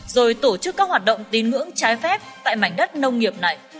rồi tổ chức các hoạt động tín ngưỡng trái phép tại mảnh đất nông nghiệp này